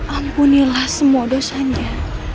ampunilah semua dosanya